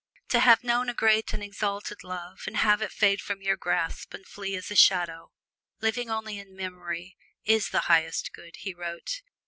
To have known a great and exalted love and have it fade from your grasp and flee as shadow, living only in memory, is the highest good, he wrote.